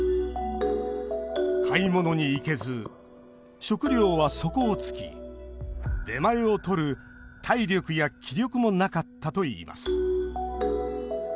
買い物に行けず、食料は底をつき出前をとる体力や気力もなかったといいます。